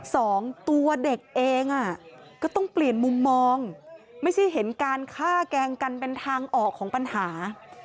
สองตัวเด็กเองอ่ะก็ต้องเปลี่ยนมุมมองไม่ใช่เห็นการฆ่าแกล้งกันเป็นทางออกของปัญหา